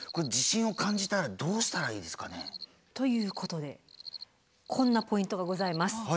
地震を感じたらどうしたらいいですかね？ということでこんなポイントがございます。